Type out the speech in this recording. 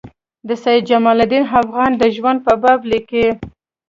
د سید جمال الدین افغاني د ژوند په باب لیکي.